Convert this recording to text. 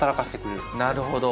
なるほど。